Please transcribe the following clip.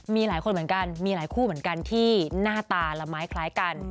มีหลายคนเหมือนกันมีหลายคู่เหมือนกันที่หน้าตาละไม้คล้ายกัน